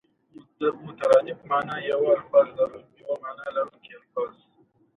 د انګلستان پارلمان یوې جرګه ګۍ ته دنده ورکړه.